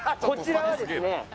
こちらはですね